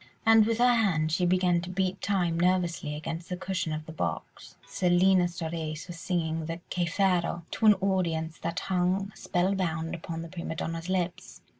And with her hand she began to beat time nervously against the cushion of the box. Selina Storace was singing the "Che farò" to an audience that hung spellbound upon the prima donna's lips.